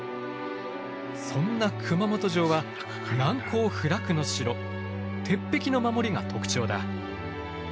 そんな熊本城は難攻不落の城鉄壁の守りが特徴だ。